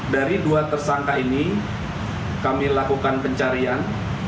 dari dua tersangka ini kami lakukan pencarian